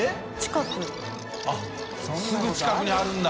瓩△すぐ近くにあるんだ。